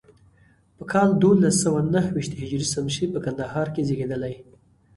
په کال دولس سوه نهو ویشت هجري شمسي په کندهار کې زیږېدلی.